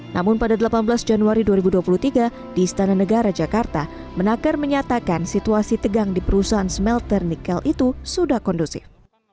namun pada delapan belas januari dua ribu dua puluh tiga di istana negara jakarta menakar menyatakan situasi tegang di perusahaan smelter nikel itu sudah kondusif